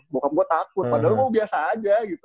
bokap gue takut padahal gue biasa aja gitu